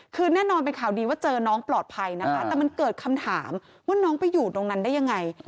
คือแน่นอนเป็นข่าวดีว่าเจอน้องปลอดภัยนะคะแต่มันเกิดคำถามว่าน้องไปอยู่ตรงนั้นได้ยังไง